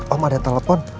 om ada yang telepon